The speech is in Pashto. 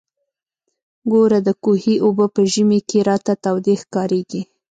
ګوره د کوهي اوبه په ژمي کښې راته تودې ښکارېږي.